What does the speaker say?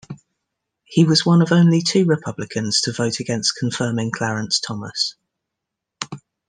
He was one of only two Republicans to vote against confirming Clarence Thomas.